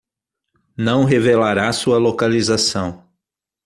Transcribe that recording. Não revelará sua localização